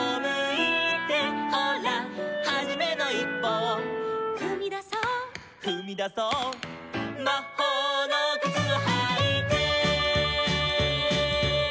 「ほらはじめのいっぽを」「ふみだそう」「ふみだそう」「まほうのくつをはいて」